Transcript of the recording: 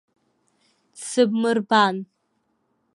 Дсыбмырбан!